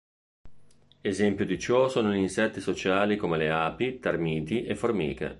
Esempio di ciò sono gli insetti sociali come le api, termiti e formiche.